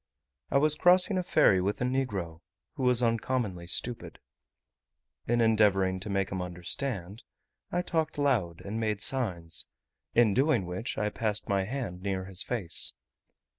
I was crossing a ferry with a negro, who was uncommonly stupid. In endeavouring to make him understand, I talked loud, and made signs, in doing which I passed my hand near his face.